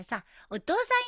お父さん。